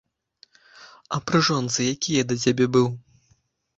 А пры жонцы які я да цябе быў?